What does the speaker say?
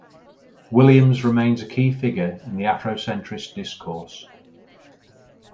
Williams remains a key figure in the Afrocentrist discourse.